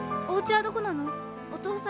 おうちはどこなの？